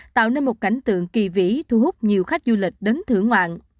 tạo nên một cảnh tượng kỳ vĩ thu hút nhiều khách du lịch đấn thưởng ngoạn